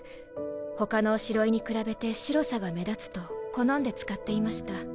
他のおしろいに比べて白さが目立つと好んで使っていました。